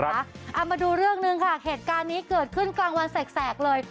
เอามาดูเรื่องหนึ่งค่ะเหตุการณ์นี้เกิดขึ้นกลางวันแสกเลย